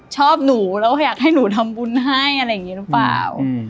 ชอบหนูแล้วข้อยากให้หนูทำบุญให้อะไรอย่างนี้แหละ